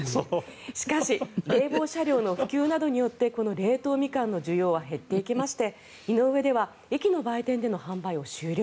しかし冷房車両の普及などによってこの冷凍ミカンの需要は減っていきまして井上では駅の売店での販売を終了。